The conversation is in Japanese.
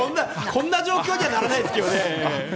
こんな状況じゃやらないですけどね。